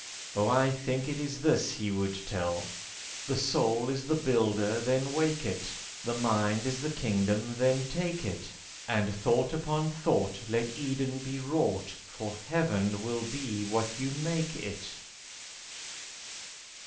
Oh, I think it is this He would tell: 'The soul is the builder—then wake it; The mind is the kingdom—then take it; And thought upon thought let Eden be wrought, For heaven will be what you make it.